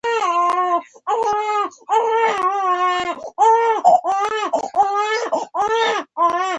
ایا زه کولی شم د کریډیټ کارت سره پیسې ورکړم؟